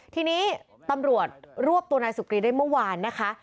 ทีนี้ตำรวจรวบตัวนายสุกรีได้เมื่อวานนะคะ